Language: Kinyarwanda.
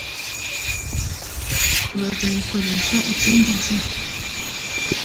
bazayikoresha ikindi gihe